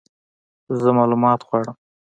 زه مالومات غواړم !